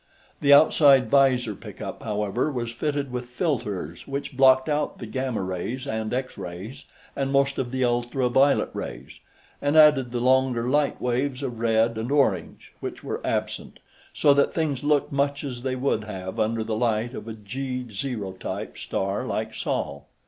The outside 'visor pickup, however, was fitted with filters which blocked out the gamma rays and X rays and most of the ultra violet rays, and added the longer light waves of red and orange which were absent, so that things looked much as they would have under the light of a G0 type star like Sol.